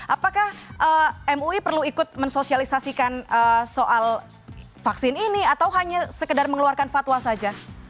apakah mui perlu ikut mensosialisasikan soal vaksin ini atau hanya sekedar mengeluarkan fatwa saja